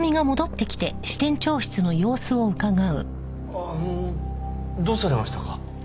あのどうされましたか？